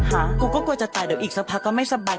กูก็กลัวจะตายเดี๋ยวอีกสักพักก็ไม่สบาย